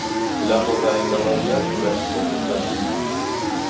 Vilambo vaenga vaw'iachura ikoko ja w'urumwengu.